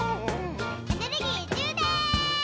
エネルギーじゅうでん！